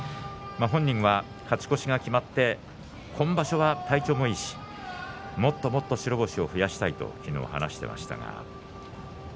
本人は勝ち越しが決まって体調もいいしもっともっと白星を増やしたいと話しています。